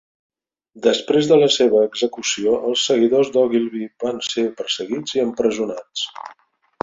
Després de la seva execució, els seguidors d'Ogilvie van ser perseguits i empresonats.